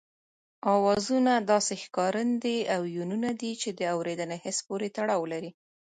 آوازونه داسې ښکارندې او يوونونه دي چې د اورېدني حس پورې تړاو لري